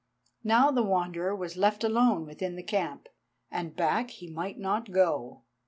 Now the Wanderer was left alone within the camp, and back he might not go.